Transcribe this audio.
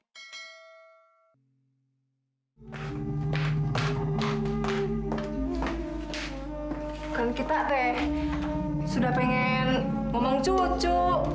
bukan kita teh sudah pengen ngomong cucu